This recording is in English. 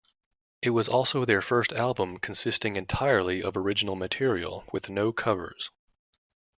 It was also their first album consisting entirely of original material, with no covers.